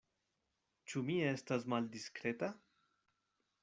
Ĉu mi estas maldiskreta?